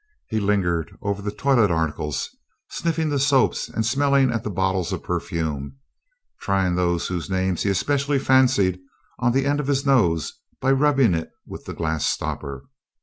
He lingered over the toilet articles, sniffing the soaps and smelling at the bottles of perfume, trying those whose names he especially fancied on the end of his nose by rubbing it with the glass stopper.